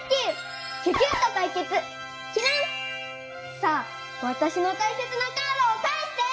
さあわたしの大切なカードをかえして！